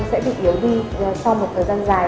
sẽ bị yếu đi sau một thời gian dài